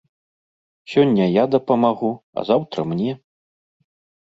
Сёння я дапамагу, а заўтра мне.